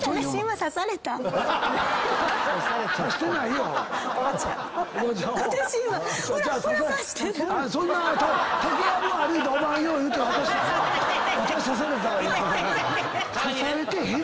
刺されてへん！